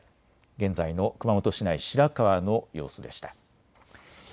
現在の熊本市内、白川の様子でした。